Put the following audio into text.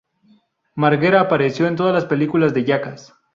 Margera apareció en todas las películas de Jackass.